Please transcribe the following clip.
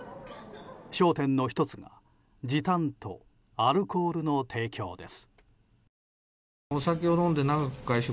焦点の１つが時短とアルコールの提供です。